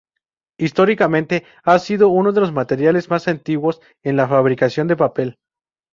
Históricamente ha sido uno de los materiales más antiguos en la fabricación de papel.